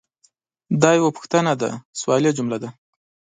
دا یوه پوښتنه ده – سوالیه جمله ده.